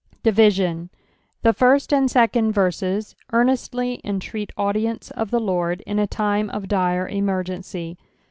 Division. — Thtnrst and seetma verses earnestly entreat audience qf the Lord In a time of dire emergency.